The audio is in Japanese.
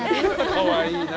かわいいな。